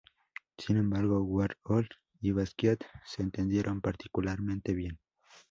Sin embargo, Warhol y Basquiat se entendieron particularmente bien.